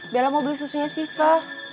bela mau beli susunya siva